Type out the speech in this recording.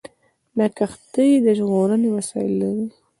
دا کښتۍ د ژغورنې وسایل لري.